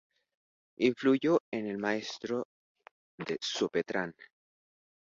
Influyó en el Maestro de Sopetrán.